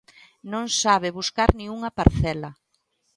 Non sabe buscar nin unha parcela.